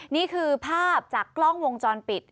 นี่คือภาพจากกล้องวงจรปิด